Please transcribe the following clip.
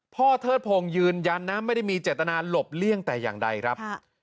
เทิดพงศ์ยืนยันนะไม่ได้มีเจตนาหลบเลี่ยงแต่อย่างใดครับ